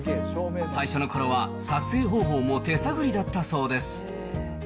最初のころは、撮影方法も手探りだったそうです。